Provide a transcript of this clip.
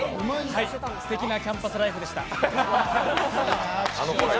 はい、すてきなキャンパスライフでした。